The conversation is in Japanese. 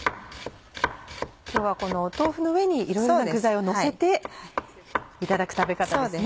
今日はこの豆腐の上にいろいろな具材をのせていただく食べ方ですね。